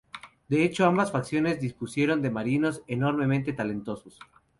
De hecho ambas facciones dispusieron de marinos enormemente talentosos.